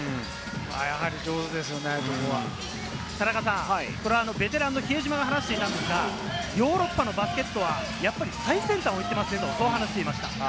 やはり上手ですよね、ここは。ベテランの比江島が話していたんですが、ヨーロッパのバスケットはやっぱり最先端を行っていますねと話していました。